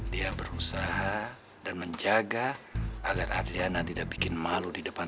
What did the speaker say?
dia berusaha dan menjaga agar adriana tidak bikin malu di depan